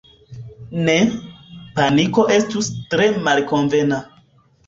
Ne, paniko estus tre malkonvena.